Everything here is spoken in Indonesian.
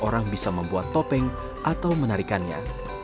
orang bisa membuat topeng atau menarikannya